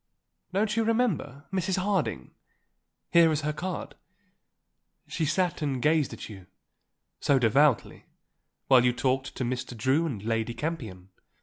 "Don't you remember? Mrs. Harding. Here is her card. She sat and gazed at you, so devoutly, while you talked to Mr. Drew and Lady Campion.